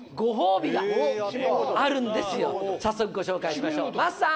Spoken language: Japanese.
早速ご紹介しましょう。